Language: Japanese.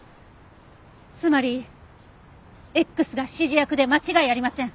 つまりＸが指示役で間違いありません。